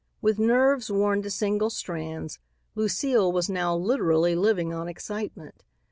With nerves worn to single strands, Lucile was now literally living on excitement.